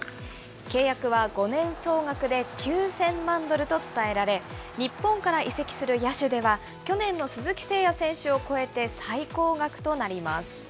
契約は５年総額で９０００万ドルと伝えられ、日本から移籍する野手では、去年の鈴木誠也選手を超えて最高額となります。